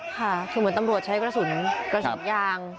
ค่ะถูกเหมือนตำรวจใช้กระสุนยาง